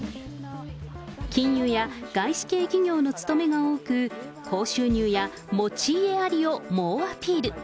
金融や外資系企業の勤めが多く、高収入や持ち家ありを猛アピール。